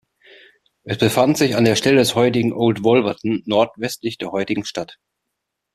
Es befand sich an der Stelle des heutigen Old Wolverton, nordwestlich der heutigen Stadt.